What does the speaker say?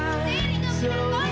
kamu tidak tahu sendiri